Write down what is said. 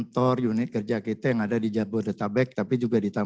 dan juga di transaksi digital